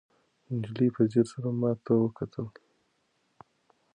نجلۍ په ځیر سره ماته وکتل.